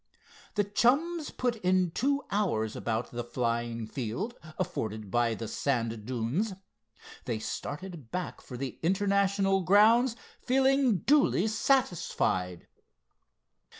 The chums put in two hours about the flying field afforded by the sand dunes. They started back for the International grounds feeling duly satisfied.